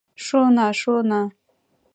Шуына, шуына!